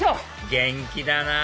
元気だなぁ